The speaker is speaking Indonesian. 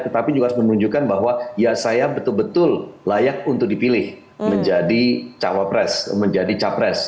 tetapi juga harus menunjukkan bahwa ya saya betul betul layak untuk dipilih menjadi cawapres menjadi capres